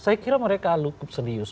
saya kira mereka cukup serius